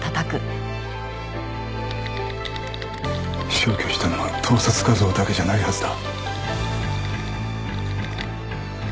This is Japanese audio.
消去したのは盗撮画像だけじゃないはずだ。